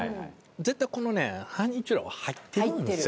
絶対このねハニーチュロは入ってるんですよ。